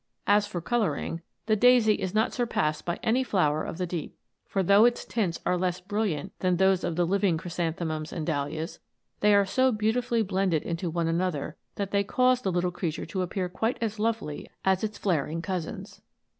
As for colouring, the daisy is not surpassed by any flower of the deep; for though its tints are less brilliant than those of the living chrysanthemums and dahlias, they are so beautifully blended one into another, that they cause the little creature to appear quite as lovely as its flaring cousins.